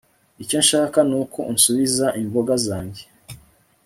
icyo nshaka nuko unsubiza imboga zanjye